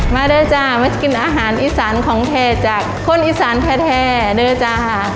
มาเลยจ้ามากินอาหารอีสานของแท้จากคนอีสานแท้ด้วยจ้า